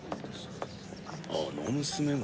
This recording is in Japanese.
あの娘が？